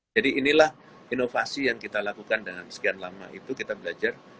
jadi inilah inovasi yang kita lakukan dengan sekian lama itu kita belajar